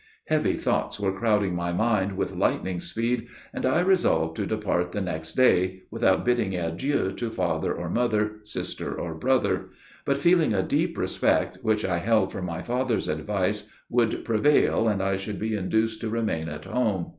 Heavy thoughts were crowding my mind with lightning speed, and I resolved to depart the next day, without bidding adieu to father or mother, sister or brother; but feeling a deep respect, which I held for my father's advice, would prevail and I should be induced to remain at home.